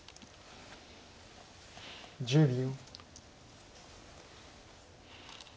１０秒。